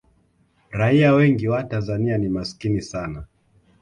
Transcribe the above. raia wengi wa tanzania ni masikini sana